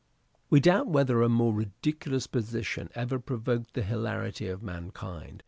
We doubt whether a more ridiculous position ever provoked the hilarity of mankind.